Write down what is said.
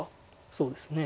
そうですね。